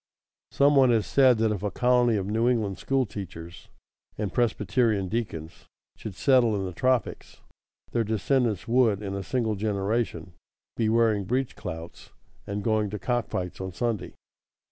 Some one has said that if a colony of New England school teachers and Presbyterian deacons should settle in the tropics, their descendants would, in a single generation, be wearing breech clouts and going to cock fights on Sunday.